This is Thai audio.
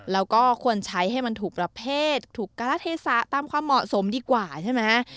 แล้วก็ควรใช้ให้มันถูกประเภทถูกการะเทศะตามความเหมาะสมดีกว่าใช่ไหมฮะ